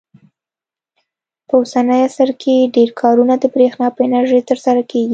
په اوسني عصر کې ډېر کارونه د برېښنا په انرژۍ ترسره کېږي.